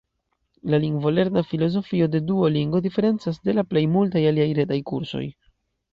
La lingvolerna filozofio de Duolingo diferencas de la plej multaj aliaj retaj kursoj.